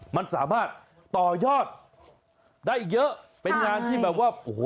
มันสามารถต่อยอดได้เยอะเป็นงานที่แบบว่าโอ้โห